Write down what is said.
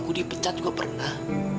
gue dipecat juga pernah